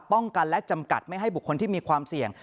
ป้องกันและจำกัดไม่ให้บุคคลที่มีความเสี่ยง